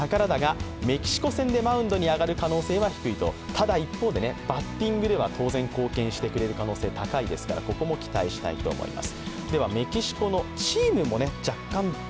ただ一方でバッティングでは当然貢献してくれる可能性高いですからここも期待したいと思います。